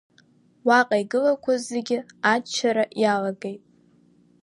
Уаҟа игылақәаз зегьы аччара иалагеит.